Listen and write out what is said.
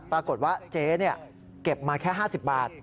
ปรากฏว่าเจ๊เก็บมาแค่๕๐บาท